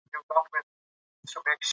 خدمت پرته له توپیر وړاندې کېږي.